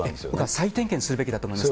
再点検すべきだと思います。